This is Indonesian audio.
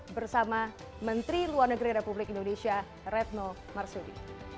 bersama menteri luar negeri republik indonesia retno marsudi